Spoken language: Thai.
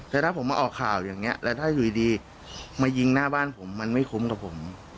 แต่ถ้าผมมาออกข่าวอย่างนี้แล้วถ้าอยู่ดีมายิงหน้าบ้านผมมันไม่คุ้มกับผม